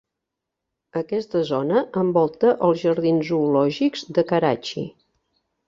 Aquesta zona envolta els Jardins Zoològics de Karachi.